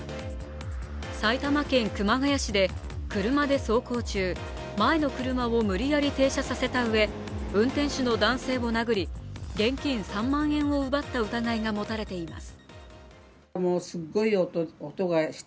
埼玉県熊谷市で車で走行中前の車を無理やり停車させたうえ、運転手の男性を殴り現金３万円を奪った疑いが持たれています。